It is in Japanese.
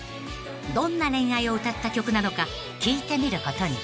［どんな恋愛を歌った曲なのか聞いてみることに］